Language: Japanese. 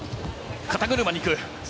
肩車に行く。